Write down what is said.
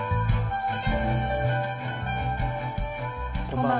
こんばんは。